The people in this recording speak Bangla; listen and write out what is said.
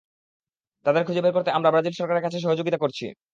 তাদের খুঁজে বের করতে আমরা ব্রাজিল সরকারের সাথে সহযোগিতা করছি।